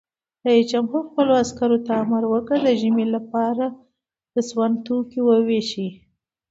رئیس جمهور خپلو عسکرو ته امر وکړ؛ د ژمي لپاره د سون توکي وویشئ!